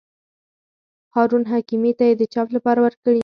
هارون حکیمي ته یې د چاپ لپاره ورکړي.